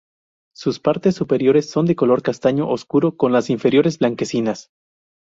Sus partes superiores son de color castaño oscuro con las inferiores blanquecinas.